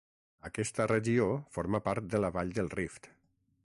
Aquesta regió forma part de la vall del Rift.